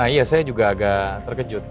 iya saya juga agak terkejut